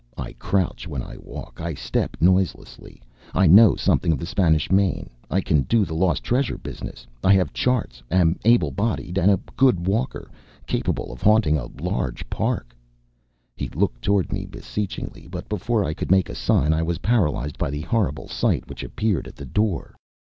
I crouch when I walk. I step noiselessly. I know something of the Spanish Main. I can do the lost treasure business. I have charts. Am able bodied and a good walker. Capable of haunting a large park." He looked toward me beseechingly, but before I could make a sign I was paralyzed by the horrible sight which appeared at the door.